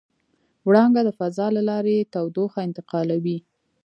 وړانګه د فضا له لارې تودوخه انتقالوي.